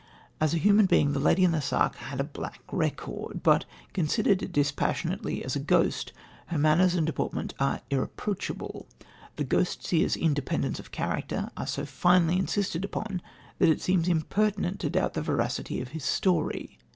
As a human being the Lady in the Sacque had a black record, but, considered dispassionately as a ghost, her manners and deportment are irreproachable. The ghost seer's independence of character are so firmly insisted upon that it seems impertinent to doubt the veracity of his story.